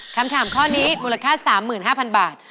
คำถามข้อนี้มูลค่า๓๕๐๐๐บาท